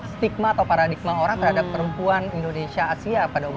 stigma atau paradigma orang terhadap perempuan indonesia asia pada umumnya